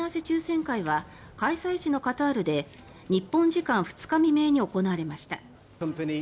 抽選会は開催地のカタールで日本時間２日未明に行われました。